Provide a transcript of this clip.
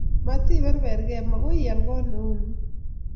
Matiperperkei, makoi ial kot ne u ni.